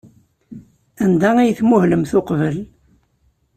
Anda ay tmuhlemt uqbel?